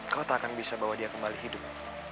kau tak akan bisa bawa dia kembali hidup